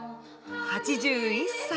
８１歳。